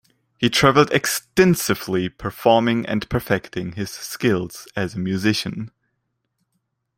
He traveled extensively performing and perfecting his skills as a musician.